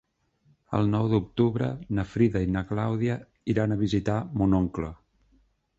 El nou d'octubre na Frida i na Clàudia iran a visitar mon oncle.